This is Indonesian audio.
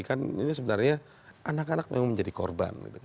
kan ini sebenarnya anak anak memang menjadi korban